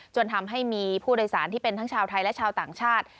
จนทำให้มีผู้โดยสารที่เป็นทั้งชาวไทยและชาวต่างชาติ